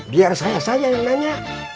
biar saya saja yang nanya